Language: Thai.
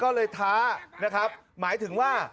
ก็เลยท้านะครับหมายถึงว่า